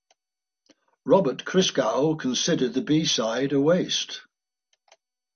Robert Christgau considered the B-side a "waste".